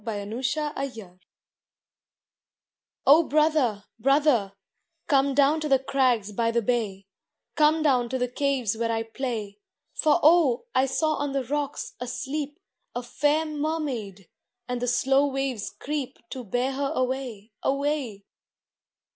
THE LITTLE BROTHER O BROTHER, brother, come down to the crags by the bay, Come down to the caves where I play ; For oh ! I saw on the rocks, asleep, A fair mermaid, and the slow waves creep To bear her away, away.